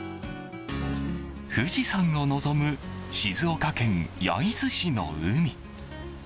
富士山を望む静岡県焼津市の海。